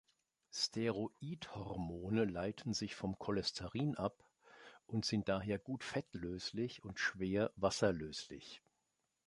Steroidhormone leiten sich vom Cholesterin ab und sind daher gut fettlöslich und schwer wasserlöslich.